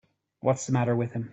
What's the matter with him.